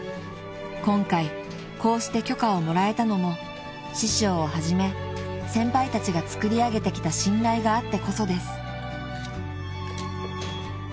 ［今回こうして許可をもらえたのも師匠をはじめ先輩たちがつくり上げてきた信頼があってこそです］